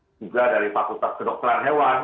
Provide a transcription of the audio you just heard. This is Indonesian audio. juga dari fakultas kedokteran hewan